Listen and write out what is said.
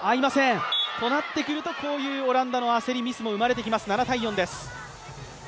となってくると、こういうオランダの焦り、ミスも生まれてきます。